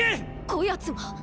こやつが！